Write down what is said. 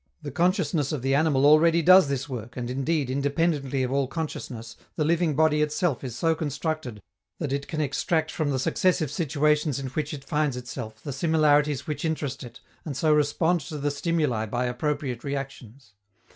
The consciousness of the animal already does this work, and indeed, independently of all consciousness, the living body itself is so constructed that it can extract from the successive situations in which it finds itself the similarities which interest it, and so respond to the stimuli by appropriate reactions.